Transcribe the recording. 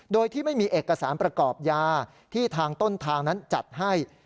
โดยที่ไม่มีเอกสารประกอบยาที่ทางต้นทางนั้นจัดให้